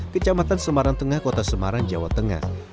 kecamatan semarang tengah kota semarang jawa tengah